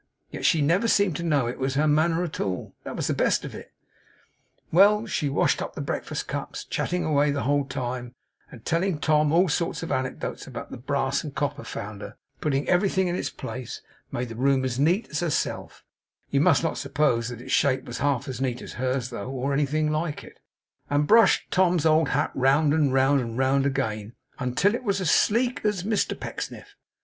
Yet she never seemed to know it was her manner at all. That was the best of it. Well! she washed up the breakfast cups, chatting away the whole time, and telling Tom all sorts of anecdotes about the brass and copper founder; put everything in its place; made the room as neat as herself; you must not suppose its shape was half as neat as hers though, or anything like it and brushed Tom's old hat round and round and round again, until it was as sleek as Mr Pecksniff.